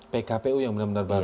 pkpu yang benar benar baru